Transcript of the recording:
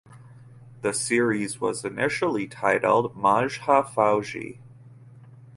The series was initially titled "Majha Fauji".